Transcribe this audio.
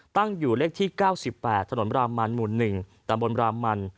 ตั้งอยู่เลขที่๙๘ถนนบรามันหมู่๑ตำบลรามัน